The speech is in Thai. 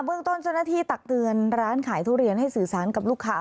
เรื่องต้นเจ้าหน้าที่ตักเตือนร้านขายทุเรียนให้สื่อสารกับลูกค้า